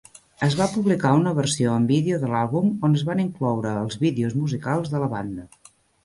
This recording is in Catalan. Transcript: Es va publicar una versió en vídeo de l'àlbum on es van incloure els vídeos musicals de la banda.